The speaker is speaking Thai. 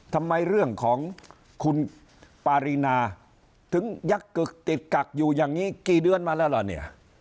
ทำไมเรื่องของคุณปารีนาถึงยักษึกติดกักอยู่อย่างนี้กี่เดือนมาแล้วล่ะเนี่ย